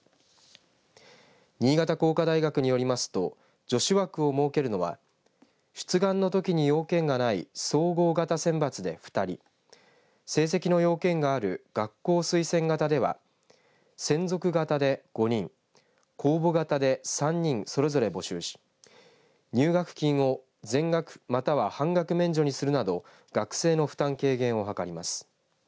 新潟工科大学によりますと女子枠を設けるのは出願のときに要件がない総合型選抜で２人成績の要件がある学校推薦型では専属型で５人公募型で３人それぞれ募集し入学金を全額または半額免除にするなど学生の負担軽減を図ります。